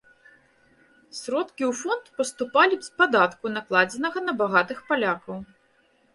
Сродкі ў фонд паступалі б з падатку, накладзенага на багатых палякаў.